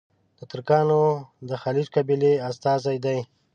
د ترکانو د خیلیچ قبیلې استازي دي.